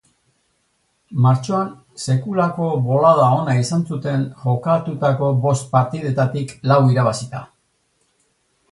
Martxoan sekulako bolada ona izan zuten jokatutako bost partidetatik lau irabazita.